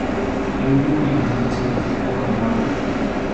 El último elemento significa condado.